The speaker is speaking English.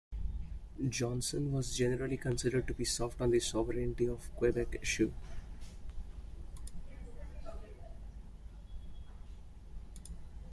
Johnson was generally considered to be soft on the sovereignty of Quebec issue.